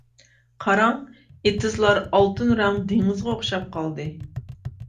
قاراڭ، ئېتىزلار ئالتۇن رەڭ دېڭىزغا ئوخشاپ قالدى.